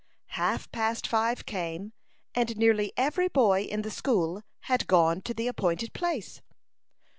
Half past five came, and nearly every boy in the school had gone to the appointed place.